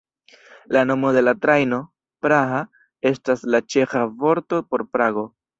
La nomo de la trajno, "Praha", estas la ĉeĥa vorto por Prago.